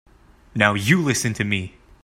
Now you listen to me.